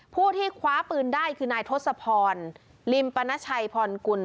ผู้ที่คว้าปืนได้คือนายทศพรลิมปณชัยพรกุล